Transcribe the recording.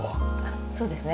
そうですね。